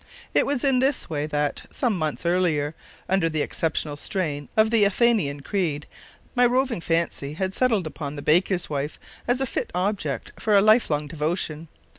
It was in this way that, some months earlier, under the exceptional strain of the Athanasian Creed, my roving fancy had settled upon the baker's wife as a fit object for a life long devotion.